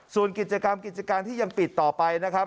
ส่วนกิจกรรมกิจการที่ยังปิดต่อไปนะครับ